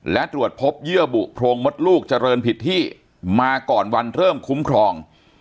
และตรวจพบเยื่อบุโพรงมดลูกเจริญผิดที่มาก่อนวันเริ่มคุ้มครอง